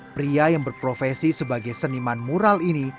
pria yang berprofesi sebagai seniman mural ini